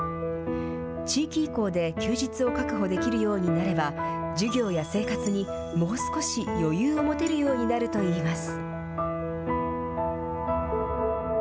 地域移行で休日を確保できるようになれば、授業や生活に、もう少し余裕を持てるようになるといいます。